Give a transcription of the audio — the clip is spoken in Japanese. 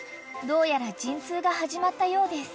どうやら陣痛が始まったようです］